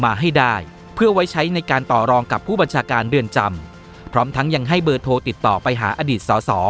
มาให้ได้เพื่อไว้ใช้ในการต่อรองกับผู้บัญชาการเรือนจำพร้อมทั้งยังให้เบอร์โทรติดต่อไปหาอดีตสอสอ